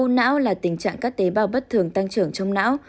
u não là tình trạng các tế bào bất thường tăng trưởng trong não